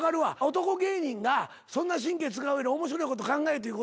男芸人がそんな神経使うより面白いこと考えっていうことやろ。